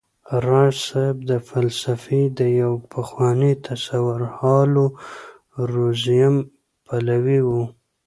راز صيب د فلسفې د يو پخواني تصور هايلو زوييزم پلوی و